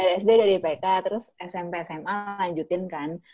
ya sd udah di ipk terus smp sma lanjutin kan